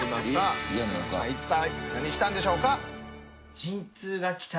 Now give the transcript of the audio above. さあ一体何したんでしょうか？